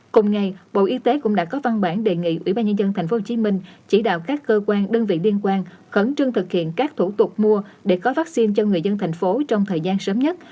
cùng ngày bộ y tế cũng đã có văn bản đề nghị ubnd tp hcm chỉ đạo các cơ quan đơn vị liên quan khẩn trưng thực hiện các thủ tục mua để có vaccine cho người dân thành phố trong thời gian sớm nhất